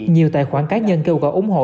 nhiều tài khoản cá nhân kêu gọi ủng hộ